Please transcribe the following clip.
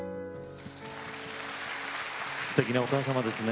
すてきなお母様ですね